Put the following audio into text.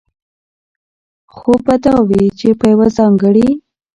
خو به دا وي، چې په يوه ځانګړي